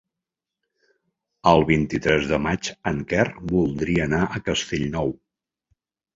El vint-i-tres de maig en Quer voldria anar a Castellnou.